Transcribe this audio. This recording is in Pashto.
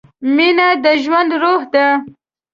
مینه د ژوند روح ده.